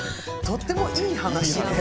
とってもいい話なんで。